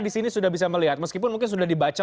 disini sudah bisa melihat meskipun mungkin sudah dibaca